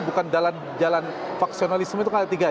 bukan jalan faksionalisme itu kan ada tiga